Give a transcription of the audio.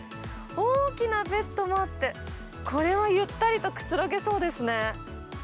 大きなベッドもあって、これはゆったりとくつろげそうですね。